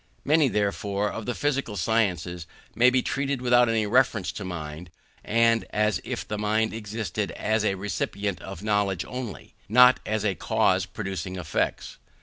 Many, therefore, of the physical sciences may be treated of without any reference to mind, and as if the mind existed as a recipient of knowledge only, not as a cause producing effects.